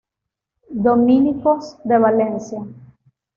Dominicos de Valencia.